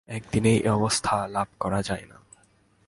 একদিনেই এই অবস্থা লাভ করা যায় না।